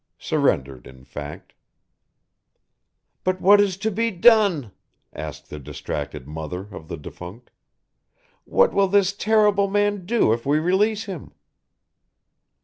Surrendered in fact. "But what is to be done?" asked the distracted mother of the defunct. "What will this terrible man do if we release him?"